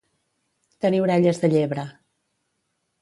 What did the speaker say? Tenir orelles de llebre.